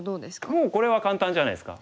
もうこれは簡単じゃないですか。